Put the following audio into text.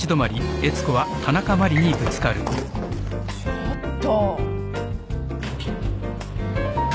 ちょっと。